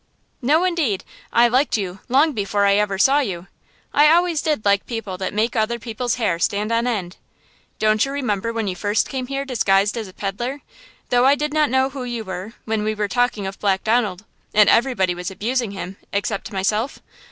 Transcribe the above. "No, indeed! I liked you, long before I ever saw you! I always did like people that make other people's hair stand on end! Don't you remember when you first came here disguised as a peddler, though I did not know who you were, when we were talking of Black Donald, and everybody was abusing him, except myself?